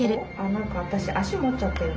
何か私足持っちゃってる。